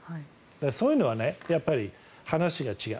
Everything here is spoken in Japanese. そういうのはやっぱり話が違う。